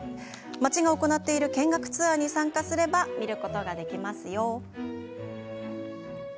町が行っている見学ツアーに参加すれば見ることができますよ。